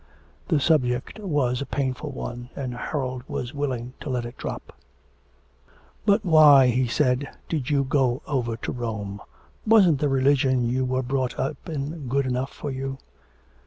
The subject was a painful one, and Harold was willing to let it drop. 'But why,' he said, 'did you go over to Rome? Wasn't the religion you were brought up in good enough for you?'